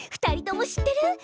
２人とも知ってる？